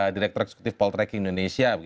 direktur eksekutif poll tracking indonesia